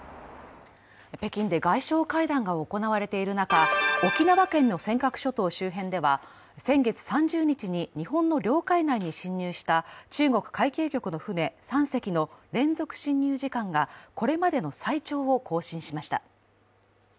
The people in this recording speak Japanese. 北京で外相会談が行われている中、沖縄県の尖閣諸島周辺では先月３０日に日本の領海内に侵入した中国海警局の船３隻の連続侵入時間がこれまでの最長を更新しました。